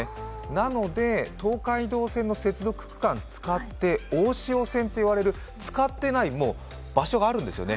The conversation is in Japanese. なので、東海道線の接続区間を使って大潮線と言われる使っていない線路があるんですよね。